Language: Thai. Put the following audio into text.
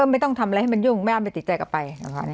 ไม่ต้องทำอะไรให้มันยุ่งไม่เอาไม่ติดใจกลับไป